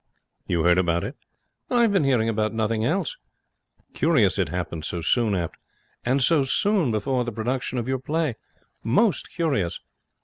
'You heard about it?' 'I have been hearing about nothing else.' 'Curious it happening so soon after ' 'And so soon before the production of your play. Most curious.'